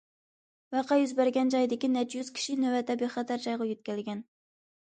ۋەقە يۈز بەرگەن جايدىكى نەچچە يۈز كىشى نۆۋەتتە بىخەتەر جايغا يۆتكەلگەن.